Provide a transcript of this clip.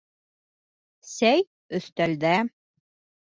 Сәй өҫтәлдә